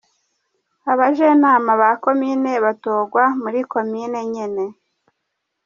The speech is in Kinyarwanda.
Abajenama ba Komine batogwa muri komine nyene.